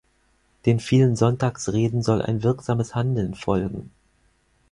Den vielen Sonntagsreden soll ein wirksames Handeln folgen.